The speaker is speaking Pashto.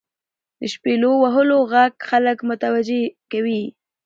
• د شپیلو وهلو ږغ خلک متوجه کوي.